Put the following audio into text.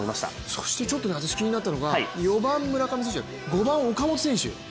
そして私気になったのが４番・村上選手、５番岡本選手。